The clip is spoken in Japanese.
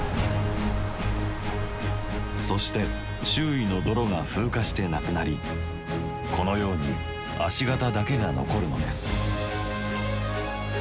そして周囲の泥が風化してなくなりこのように足形だけが残るのです。